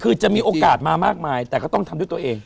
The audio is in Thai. คือจะมีโอกาสมามากมายแต่ก็ต้องทำด้วยตัวเอง